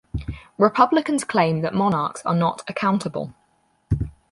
Republicans claim that monarchs are not "accountable".